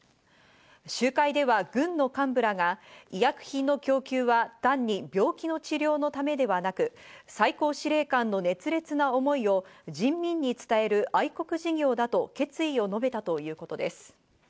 集会では軍の幹部らが医薬品の供給は単に病気の治療のためではなく、最高司令官の熱烈な思いを人民に伝える愛国事業だと決意を述べたということです。